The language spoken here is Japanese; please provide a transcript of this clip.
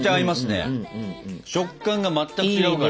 食感が全く違うから。